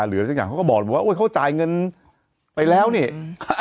หรืออะไรสักอย่างเขาก็บอกว่าเฮ้ยเขาจ่ายเงินไปแล้วนี่อะไรน่ะ